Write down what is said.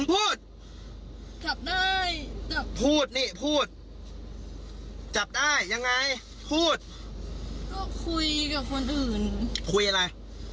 พูดนี่พูดจับได้ยังไงพูดก็คุยกับคนอื่นคุยอะไร